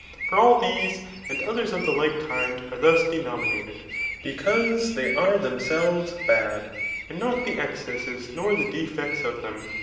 For all these, and others (^ the like kiadt are thus denominated, because they are themselves bad^ and not the excesses, nor the defects of them.